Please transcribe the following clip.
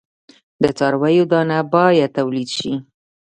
د څارویو دانه باید تولید شي.